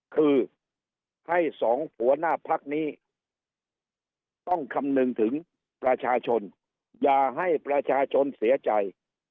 คือให้สองหัวหน้าพักนี้ต้องคำนึงถึงประชาชนอย่าให้ประชาชนเสียใจ